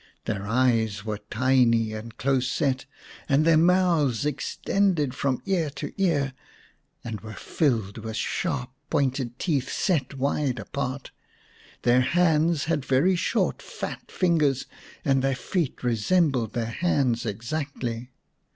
Their eyes were tiny and close set, and their mouths extended from ear to ear, and were filled with sharp, pointed teeth set wide apart. Their hands had very short fat fingers, and their feet resembled their hands exactly.